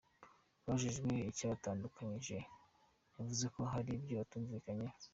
Abajijwe icyabatandukanyije, yavuze ko hari ibyo batumvikanyeho.